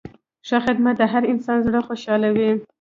ښه خدمت د هر انسان زړه خوشحالوي.